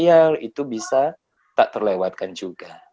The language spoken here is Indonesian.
iya itu bisa tak terlewatkan juga